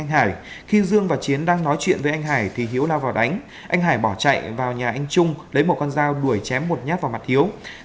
hãy đăng ký kênh để ủng hộ kênh của mình nhé